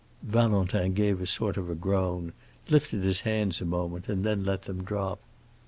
Valentin gave a sort of groan, lifted his hands a moment, and then let them drop.